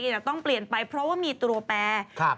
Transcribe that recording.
แต่ต้องเปลี่ยนไปเพราะว่ามีตัวแปร